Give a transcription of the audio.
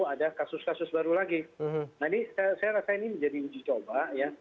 ada kasus kasus baru lagi nah ini saya rasa ini menjadi uji coba ya